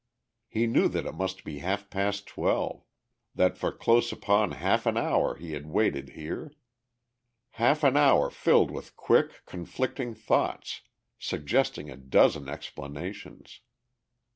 He knew that it must be half past twelve, that for close upon half an hour he had waited here. Half an hour filled with quick, conflicting thoughts, suggesting a dozen explanations.